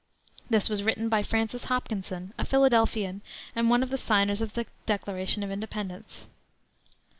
This was written by Francis Hopkinson, a Philadelphian, and one of the signers of the Declaration of Independence.